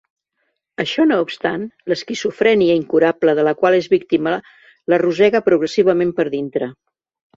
Això no obstant, l'esquizofrènia incurable de la qual és víctima la rosega progressivament per dintre.